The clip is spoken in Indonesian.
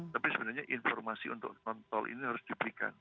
tapi sebenarnya informasi untuk nontol ini harus diberikan